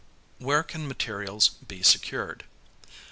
Where Can Materials Be Secured?